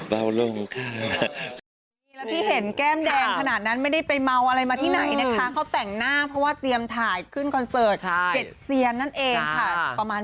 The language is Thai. เปล่าลงไหมคะสำหรับเรื่องประธาน